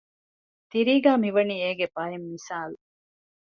ތިރީގައި މި ވަނީ އޭގެ ބައެއް މިސާލު